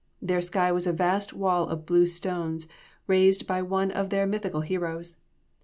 Their sky was a vast wall of blue stones raised by one of their mythical heroes.